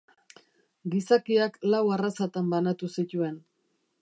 Gizakiak lau arrazatan banatu zituen.